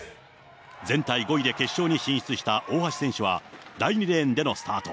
全体５位で決勝に進出した大橋選手は、第２レーンでのスタート。